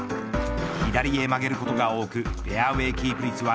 左へ曲げることが多くフェアウェーキープ率は